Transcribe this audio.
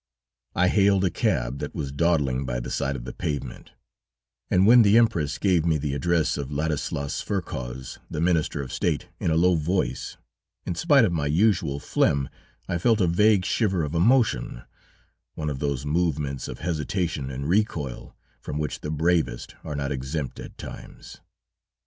I hailed a cab that was dawdling by the side of the pavement, and when the Empress gave me the address of Ladislas Ferkoz, the Minister of State, in a low voice, in spite of my usual phlegm, I felt a vague shiver of emotion, one of those movements of hesitation and recoil, from which the bravest are not exempt at times.